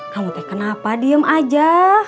kamu deh kenapa diem aja